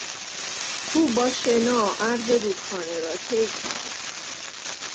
او با شنا عرض رودخانه را طی کرد.